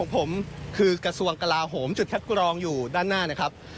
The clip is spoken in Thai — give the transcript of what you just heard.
ผมจุดคัดกรองอยู่ด้านหน้านะครับ